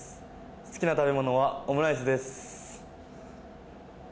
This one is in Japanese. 好きな食べ物はオムライスです。